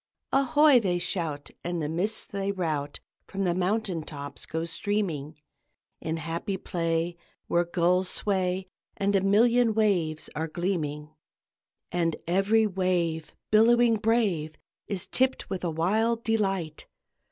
"Ahoy!" they shout and the mists they rout From the mountain tops go streaming In happy play where the gulls sway, And a million waves are gleaming! And every wave, billowing brave, Is tipped with a wild delight.